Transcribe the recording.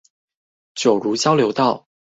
九如路交流道